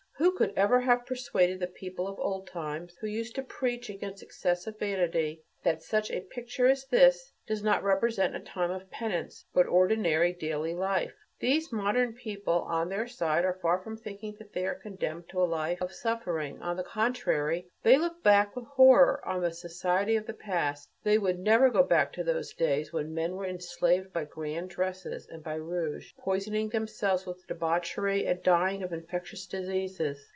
Who could ever have persuaded the people of old times, who used to preach against excessive vanity, that such a picture as this does not represent a time of penance, but ordinary daily life? These modern people, on their side, are far from thinking that they are condemned to a life of suffering; on the contrary, they look back with horror on the society of the past; they would never go back to those days when men were enslaved by grand dresses and by rouge, poisoning themselves with debauchery and dying of infectious diseases.